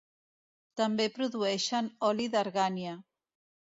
També produeixen oli d'argània.